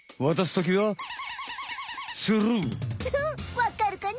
わかるかな？